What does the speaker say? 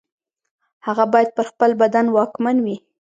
هغه باید پر خپل بدن واکمن وي.